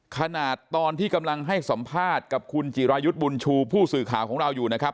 ขณะตอนที่กำลังให้สัมภาษณ์กับคุณจิรายุทธ์บุญชูผู้สื่อข่าวของเราอยู่นะครับ